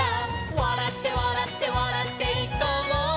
「わらってわらってわらっていこうよ」